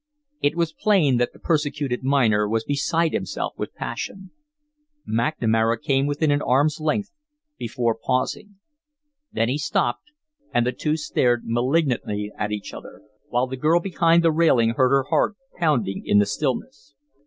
It was plain that the persecuted miner was beside himself with passion. McNamara came within an arm's length before pausing. Then he stopped and the two stared malignantly at each other, while the girl behind the railing heard her heart pounding in the stillness.